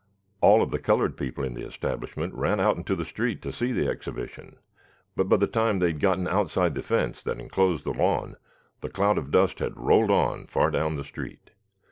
All the colored people in the establishment ran out into the street to see the exhibition, but by the time they had gotten outside the fence that enclosed the lawn the cloud of dust had rolled on far down the street.